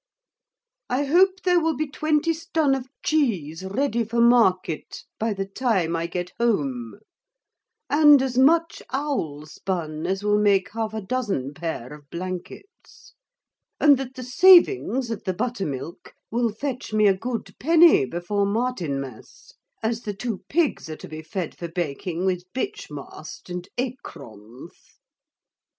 I hope there will be twenty stun of cheese ready for market by the time I get huom, and as much owl spun, as will make half a dozen pair of blankets; and that the savings of the butter milk will fetch me a good penny before Martinmass, as the two pigs are to be fed for baking with bitchmast and acrons.